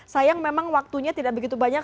sayang memang waktunya tidak begitu banyak